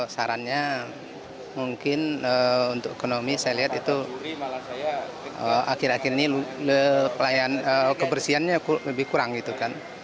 sarannya mungkin untuk ekonomi saya lihat itu akhir akhir ini kebersihannya lebih kurang gitu kan